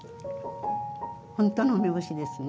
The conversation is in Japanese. ほんとの梅干しですね。